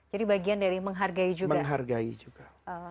jadi bagian dari menghargai juga